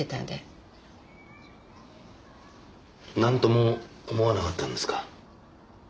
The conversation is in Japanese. なんとも思わなかったんですか？